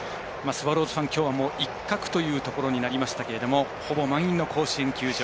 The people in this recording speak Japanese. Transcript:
スワローズファン、きょうはもう一角というところになりましたがほぼ満員の甲子園球場。